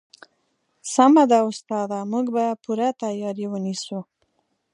سمه ده استاده موږ به پوره تیاری ونیسو